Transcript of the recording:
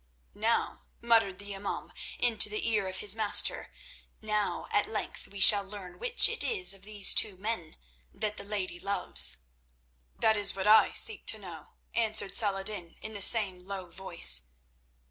"Now," muttered the imaum into the ear of his master, "now at length we shall learn which it is of these two men that the lady loves." "That is what I seek to know," answered Saladin in the same low voice.